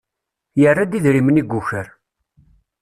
Yerra-d idrimen i yuker.